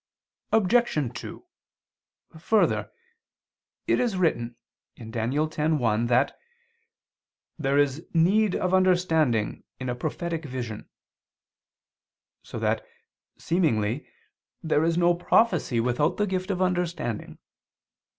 Obj. 2: Further, it is written (Dan. 10:1) that "there is need of understanding in a" prophetic "vision," so that, seemingly, there is no prophecy without the gift of understanding.